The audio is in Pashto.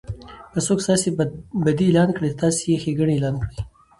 که څوک ستاسي بدي اعلان کړي؛ تاسي ئې ښېګړني اعلان کړئ!